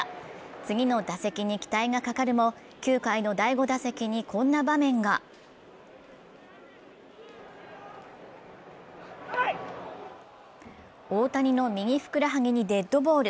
次の打席に期待がかかるも、９回の第５打席にこんな場面が大谷の右ふくらはぎにデッドボール。